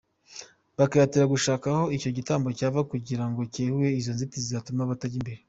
Bakihatira gushaka aho icyo gitambo cyava, kugira ngo cyeyure izo nzitizi zatuma batajya mbere.